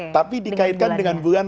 tapi dikaitkan dengan bulan